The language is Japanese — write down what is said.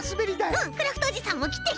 うんクラフトおじさんもきてきて。